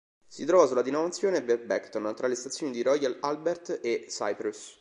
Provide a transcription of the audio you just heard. Si trova sulla diramazione per Beckton, tra le stazioni di Royal Albert e Cyprus.